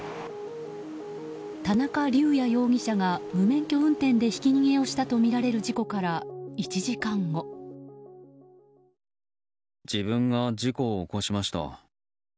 田中龍也容疑者が無免許運転でひき逃げをしたとみられる自分が事故を起こしました。